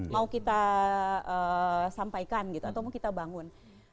mau kita sampaikan gitu atau mau kita bangun